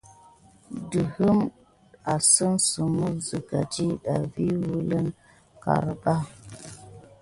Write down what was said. Douwa anasime siga ɗida vi kilué karka.